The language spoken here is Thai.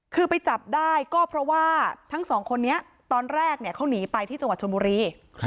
คือไปจับได้ก็เพราะว่าทั้งสองคนนี้ตอนแรกเขาหนีไปที่จังหวัดชนบุรี